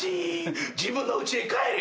自分のうちへ帰れ。